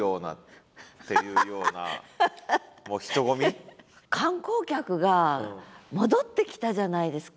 これ何か観光客が戻ってきたじゃないですか。